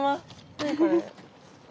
何これ。